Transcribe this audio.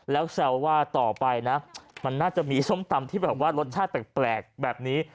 แล้วแซวว่าต่อไปนะมันน่าจะมีส้มตำที่แบบว่ารสชาติแปลกแบบนี้